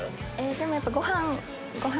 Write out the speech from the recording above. でもやっぱご飯。